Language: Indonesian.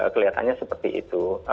kelihatannya seperti itu